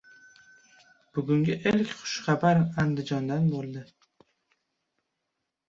Bugungi ilk xushxabar Andijondan bo‘ldi